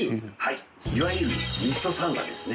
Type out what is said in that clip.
いわゆるミストサウナですね。